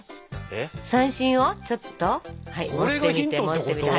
三線をちょっと持ってみて持ってみて。